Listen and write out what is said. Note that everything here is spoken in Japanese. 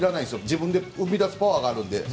自分が生み出すパワーがあるので。